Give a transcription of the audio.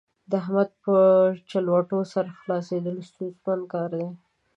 د احمد په چلوټو سر خلاصېدل ستونزمن کار دی.